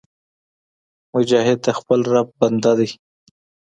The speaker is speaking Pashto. مجاهد د خپل رب بنده دی